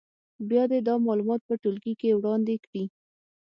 بیا دې دا معلومات په ټولګي کې وړاندې کړي.